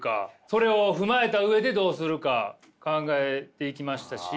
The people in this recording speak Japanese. それを踏まえた上でどうするか考えていきましたし。